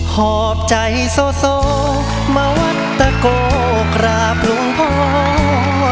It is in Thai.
ฮอบใจโซ่มาวัดตะโกคราบหลุมพอ